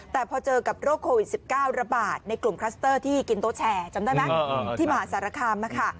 แต่พอเจอกับโรคโควิด๑๙ระบาดในกลุ่มคลัสเตอร์ที่กินโต๊ะแชร์จำได้ไหมที่มหาสารคาม